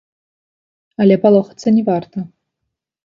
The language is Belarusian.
Але палохацца не варта.